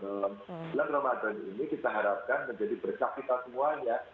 bulan ramadan ini kita harapkan menjadi bercakita semuanya